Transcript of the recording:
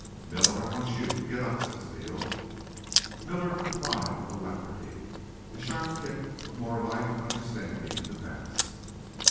"Miller, I want you. Get up," said Steele. Miller complied with alacrity. A sharp kick put more life and understanding into Bass.